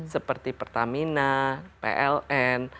seperti pertamina pln